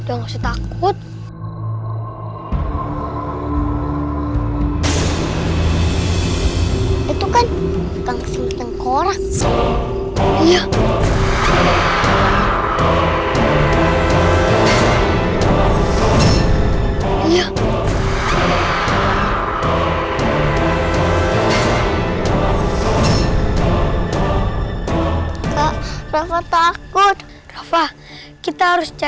udah gak usah takut